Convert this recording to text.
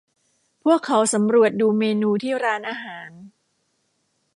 พวกเขาสำรวจดูเมนูที่ร้านอาหาร